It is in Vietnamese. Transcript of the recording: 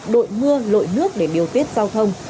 đội mưa lội nước để điều tiết giao thông